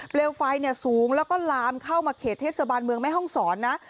เลวไฟสูงแล้วก็ลามเข้ามาเขตเทศบาลเมืองแม่ห้องศรนะ